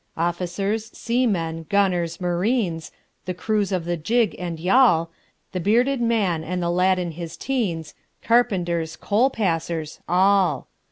Officers, seamen, gunners, marines, The crews of the gig and yawl, The bearded man and the lad in his teens, Carpenters, coal passers all.